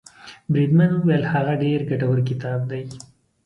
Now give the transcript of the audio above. بریدمن وویل هغه ډېر ګټور کتاب دی.